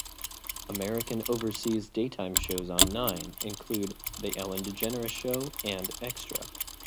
American overseas daytime shows on Nine include "The Ellen DeGeneres Show" and "Extra".